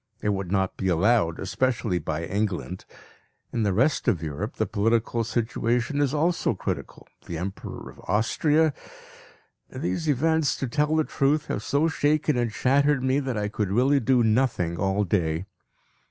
It would not be allowed, especially by England. In the rest of Europe the political situation is also critical; the Emperor of Austria These events, to tell the truth, have so shaken and shattered me, that I could really do nothing all day.